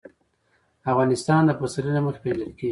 افغانستان د پسرلی له مخې پېژندل کېږي.